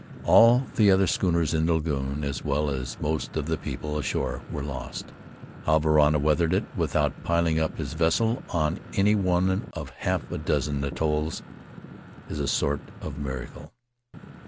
All the other schooners in the lagoon, as well as most of the 15 [ 213 ] Faery Lands of the South Seas people ashore, were lost. How Varana weathered it, without piling up his vessel on any one of half a dozen atolls, is a sort of miracle.